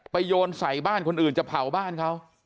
โยนใส่บ้านคนอื่นจะเผาบ้านเขา